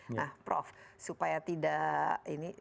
nah prof supaya tidak ini